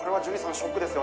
ショックですよね」。